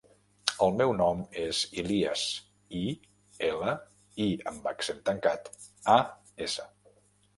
El meu nom és Ilías: i, ela, i amb accent tancat, a, essa.